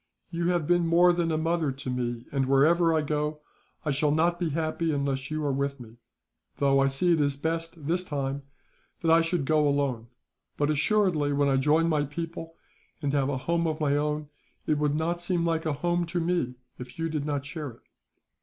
"You have been more than a mother to me and, wherever I go, I shall not be happy unless you are with me, though I see it is best, this time, that I should go alone; but assuredly, when I join my people, and have a home of my own, it would not seem like a home to me if you did not share it."